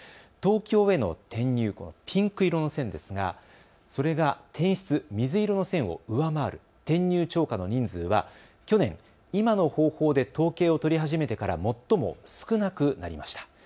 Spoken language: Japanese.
東京への転入、このピンク色の線ですがそれが転出、水色の線を上回る転入超過の人数は去年、今の方法で統計を取り始めてから最も少なくなりました。